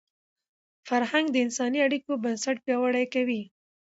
فرهنګ د انساني اړیکو بنسټ پیاوړی کوي.